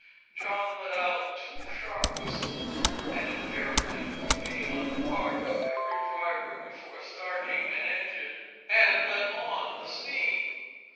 John let off two sharp whistles (an imperative duty on the part of every driver before starting an engine) and let on the steam.